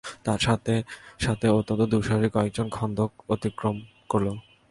তার সাথে সাথে অত্যন্ত দুঃসাহসী কয়েকজন খন্দক অতিক্রম করল।